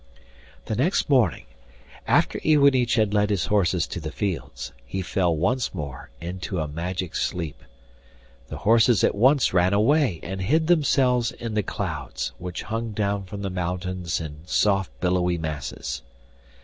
The next morning, after Iwanich had led his horses to the fields, he fell once more into a magic sleep. The horses at once ran away and hid themselves in the clouds, which hung down from the mountains in soft billowy masses.